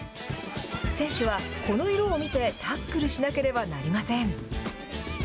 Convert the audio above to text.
選手はこの色を見てタックルしなければなりません。